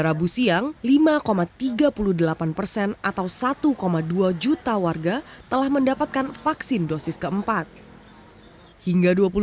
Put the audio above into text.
rabu siang lima tiga puluh delapan persen atau satu dua juta warga telah mendapatkan vaksin dosis keempat hingga